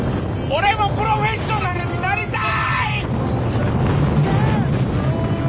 俺もプロフェッショナルになりたい！